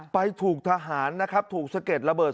ถูกทหารนะครับถูกสะเก็ดระเบิด